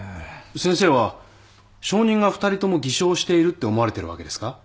先生は証人が２人とも偽証しているって思われてるわけですか？